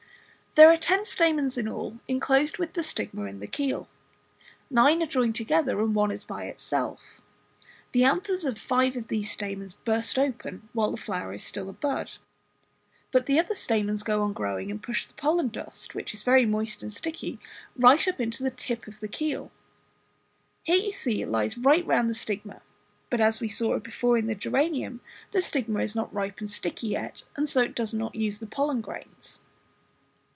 There are ten stamens in all, enclosed with the stigma in the keel; nine are joined together and one is by itself. The anthers of five of these stamens burst open while the flower is still a bud, but the other stamens go on growing, and push the pollen dust, which is very moist and sticky, right up into the tip of the keel. Here you see it lies right round the stigma, but as we saw before in the geranium, the stigma is not ripe and sticky yet, and so it does not use the pollen grains.